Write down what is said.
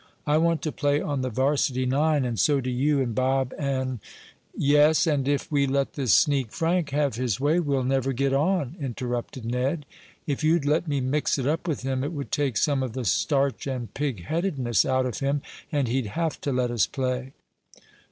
I want to play on the varsity nine and so do you and Bob, and " "Yes, and if we let this sneak Frank have his way we'll never get on," interrupted Ned. "If you'd let me mix it up with him it would take some of the starch and pig headedness out of him, and he'd have to let us play."